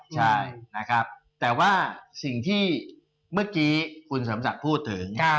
ใช่นะครับแต่ว่าสิ่งที่เมื่อกี้คุณสมศักดิ์พูดถึง